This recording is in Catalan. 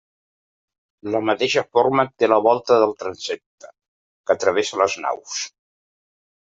La mateixa forma té la volta del transsepte, que travessa les naus.